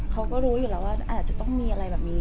เขาก็รู้อยู่แล้วว่าอาจจะต้องมีอะไรแบบนี้